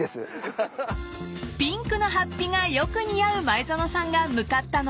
［ピンクの法被がよく似合う前園さんが向かったのは］